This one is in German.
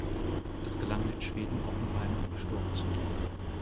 Es gelang den Schweden, Oppenheim im Sturm zu nehmen.